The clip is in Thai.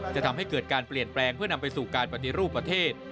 จะทำให้เกิดการเปลี่ยนแปลงเพื่อนำไปสู่การปฏิรูปประเทศ